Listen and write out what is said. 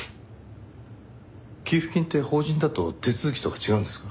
給付金って法人だと手続きとか違うんですか？